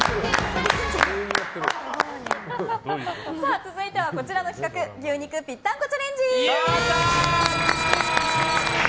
続いてはこちらの企画牛肉ぴったんこチャレンジ！